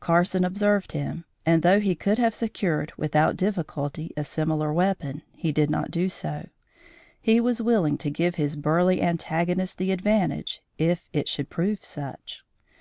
Carson observed him, and, though he could have secured without difficulty a similar weapon, he did not do so. He was willing to give his burly antagonist the advantage, if it should prove such.